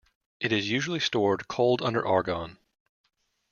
It is usually stored cold under argon.